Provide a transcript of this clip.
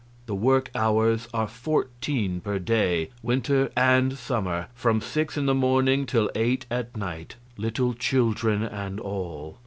The work hours are fourteen per day, winter and summer from six in the morning till eight at night little children and all.